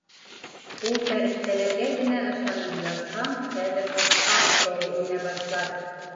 Ул фәрештәләргә генә ышанып ятһаң, хәҙер аҫҡа шәре инә башлар.